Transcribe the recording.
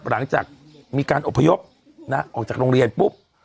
หลังจากมีการอบพยพออกจากโรงเรียนปุ๊บ